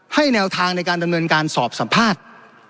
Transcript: แนวทางในการดำเนินการสอบสัมภาษณ์